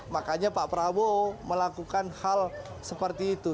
makanya pak prabowo melakukan hal seperti itu